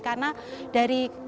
karena dari pemerintah desa